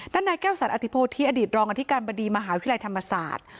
นายแก้วสันอธิโพธิอดีตรองอธิการบดีมหาวิทยาลัยธรรมศาสตร์